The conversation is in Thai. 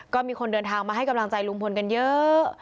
ก็มีคนเดินทางมาให้กำลังใจลุงพลกันเยอะ